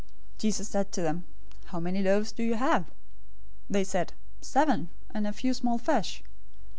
015:034 Jesus said to them, "How many loaves do you have?" They said, "Seven, and a few small fish."